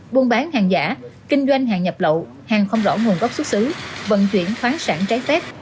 buôn bán hàng giả kinh doanh hàng nhập lậu hàng không rõ nguồn gốc xuất xứ vận chuyển khoáng sản trái phép